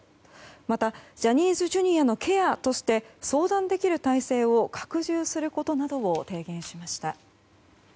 またジャニーズＪｒ．のケアとして相談できる体制を拡充することなどを提言しました。